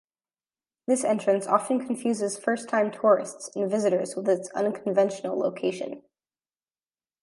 This entrance often confuses first-time tourists and visitors with its unconventional location.